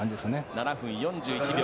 ７分４１秒。